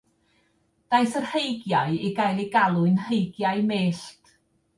Daeth yr heigiau i gael eu galw'n “Heigiau Mellt”.